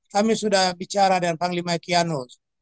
kami sudah bicara dengan panglima kianus